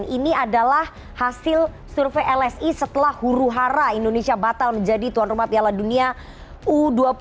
ini adalah hasil survei lsi setelah huru hara indonesia batal menjadi tuan rumah piala dunia u dua puluh dua